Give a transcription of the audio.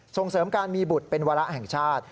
ส่งเสริมการมีบุตรเป็นวาระแห่งชาติ